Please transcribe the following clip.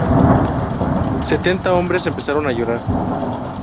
Setenta hombres... empezaron a llorar.